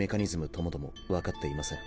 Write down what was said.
ともども分かっていません。